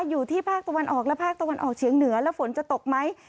อยู่ที่ภาคตะวันออกและภาคตะวันออกเฉียงเหนือแล้วฝนจะตกไหม